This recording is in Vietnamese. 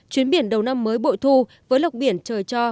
chuyến biển đầu năm mới bội thu với lộc biển trời cho